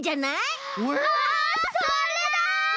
あそれだ！